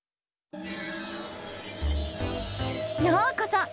ようこそ！